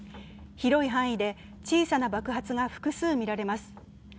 広い範囲で小さな爆発が複数見られます。